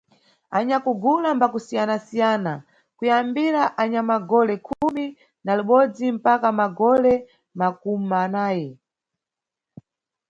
Anyakugula mba kusiyanasiyana, kuyambira anyamagole khumi na libodzi mpaka magole makumanayi.